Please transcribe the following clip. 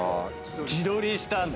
自撮りしたんだ。